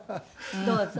どうぞ。